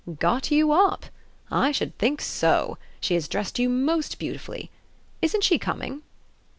"Got you up? I should think so! She has dressed you most beautifully. Isn't she coming?"